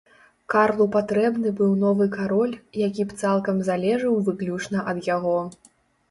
Карлу патрэбны быў новы кароль, які б цалкам залежаў выключна ад яго.